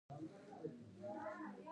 ایا ستاسو کتابونه لوستل شوي دي؟